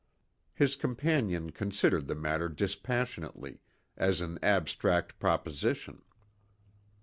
His companion considered the matter dispassionately, as an abstract proposition.